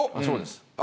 そうです。